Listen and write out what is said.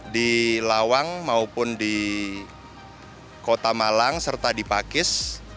di lawang maupun di kota malang serta di pakis